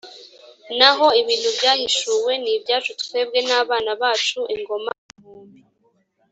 naho ibintu byahishuwe ni ibyacu twebwe n’abana bacu ingoma ibihumbi,